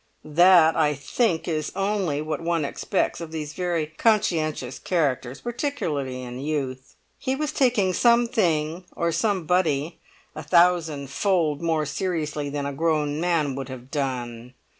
That, I think, is only what one expects of these very conscientious characters, particularly in youth; he was taking something or somebody a thousandfold more seriously than a grown man would have done.